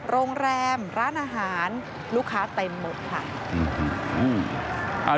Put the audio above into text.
โรงแรมร้านอาหารลูกค้าเต็มหมดค่ะ